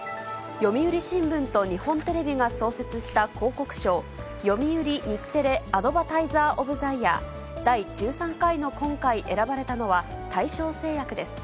読売新聞と日本テレビが創設した広告賞、読売・日テレアドバタイザー・オブ・ザ・イヤー、第１３回の今回選ばれたのは、大正製薬です。